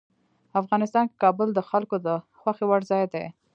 افغانستان کې کابل د خلکو د خوښې وړ ځای دی.